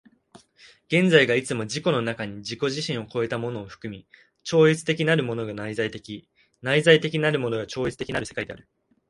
現在がいつも自己の中に自己自身を越えたものを含み、超越的なるものが内在的、内在的なるものが超越的なる世界である。